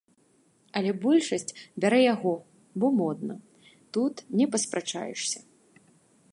Але большасць бярэ яго, бо модна, тут не паспрачаешся.